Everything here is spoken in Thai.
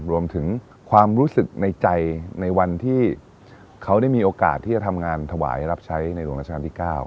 รวมถึงความรู้สึกในใจในวันที่เขาได้มีโอกาสที่จะทำงานถวายรับใช้ในหลวงราชการที่๙